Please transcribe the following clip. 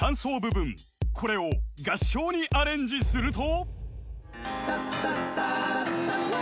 ［これを合唱にアレンジすると］